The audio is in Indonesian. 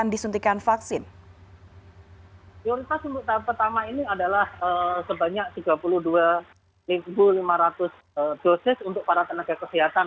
lima ratus dosis untuk para tenaga kesehatan